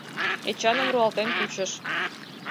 Эчаным руалтен кучыш.